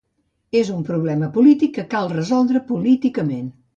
És un problema polític que cal resoldre políticament.